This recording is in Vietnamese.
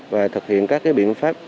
và thực hiện các cái biện pháp